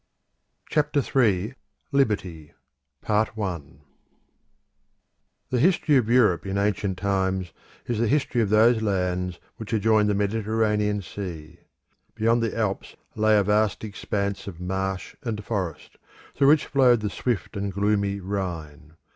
CHAPTER III: LIBERTY Ancient Europe The history of Europe in ancient times is the history of those lands which adjoin the Mediterranean Sea. Beyond the Alps lay a vast expanse of marsh and forest, through which flowed the swift and gloomy Rhine.